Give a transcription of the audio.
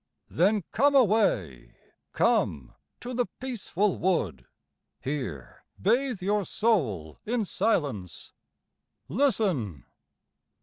Then come away, come to the peaceful wood, Here bathe your soul in silence. Listen!